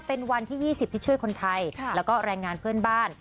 เป็นวันที่๒๐ที่ช่วยคนไทยแล้วก็แรงงานเพื่อนบ้าน